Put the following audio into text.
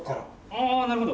ああなるほど。